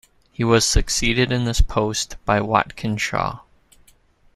He was succeeded in this post by Watkins Shaw.